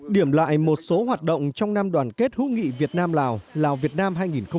điểm lại một số hoạt động trong năm đoàn kết hữu nghị việt nam lào lào việt nam hai nghìn một mươi chín